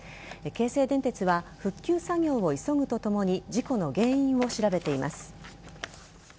京成電鉄は復旧作業を急ぐとともに事故の原因を調べています。